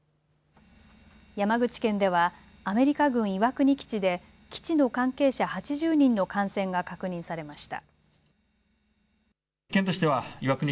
山口県ではアメリカ軍岩国基地で基地の関係者８０人の感染が確認されました。